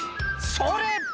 「それ！」